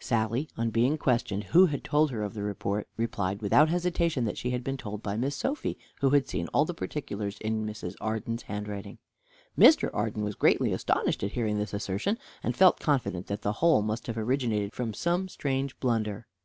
Sally, on being questioned who had told her of the report, replied, without hesitation, that she had been told by Miss Sophy, who had seen all the particulars in Mrs. Arden's handwriting. Mr. Arden was greatly astonished at hearing this assertion, and felt confident that the whole must have originated from some strange blunder.